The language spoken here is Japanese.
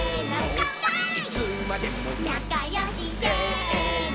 「なかよし」「せーの」